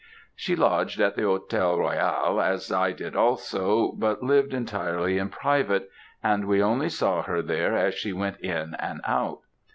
She lodged in the Hôtel Royal, as I did also, but lived entirely in private; and we only saw her there as she went in and out.